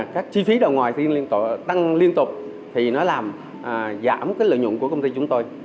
các chi phí đầu ngoài tăng liên tục thì nó làm giảm cái lợi nhuận của công ty chúng tôi